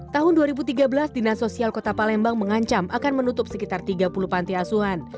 tahun dua ribu tiga belas dinas sosial kota palembang mengancam akan menutup sekitar tiga puluh panti asuhan